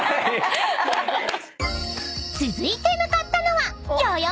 ［続いて向かったのは］